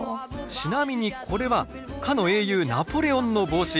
ちなみにこれはかの英雄ナポレオンの帽子。